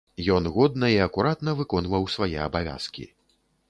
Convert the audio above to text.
Ён годна і акуратна выконваў свае абавязкі.